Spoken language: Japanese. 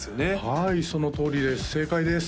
はいそのとおりです正解です